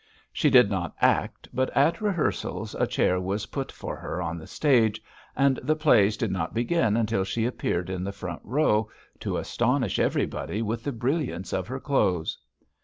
She did not act, but at rehearsals a chair was put for her on the stage, and the plays did not begin until she appeared in the front row, to astonish everybody with the brilliance of her clothes.